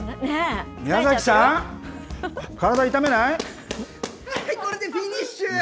宮崎さん、これでフィニッシュ。